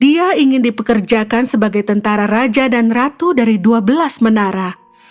dia ingin dipekerjakan sebagai tentara raja dan ratu dari dua belas menara